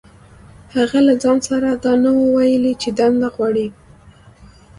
هغه له ځان سره دا نه وو ويلي چې دنده غواړي.